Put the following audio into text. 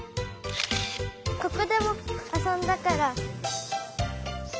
ここでもあそんだから。